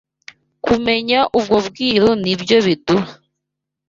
Kumenya ubwo bwiru ni byo biduha